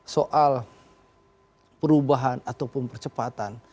soal perubahan ataupun percepatan